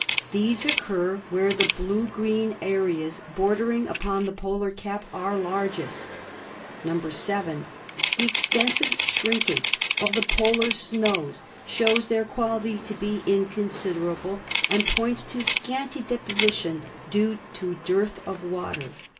These occur where the blue green areas bordering upon the polar cap are largest 186 ASTRONOMY "(7) The extensive shrinkage x>i the polar snows shows their quality to be inconsiderable and points to scanty deposition due to dearth of water.